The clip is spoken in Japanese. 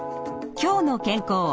「きょうの健康」